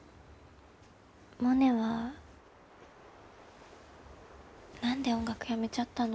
モネは何で音楽やめちゃったの？